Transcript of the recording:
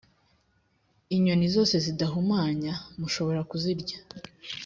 inyoni zose zidahumanya, mushobora kuzirya.